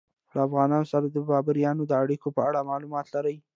له افغانانو سره د بابریانو د اړیکو په اړه معلومات لرئ؟